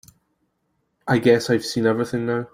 I guess I've seen everything now.